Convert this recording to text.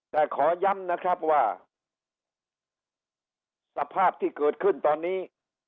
แต่ขอย้ำนะครับว่าสภาพที่เกิดขึ้นตอนนี้